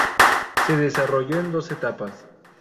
Se desarrolló en dos etapas.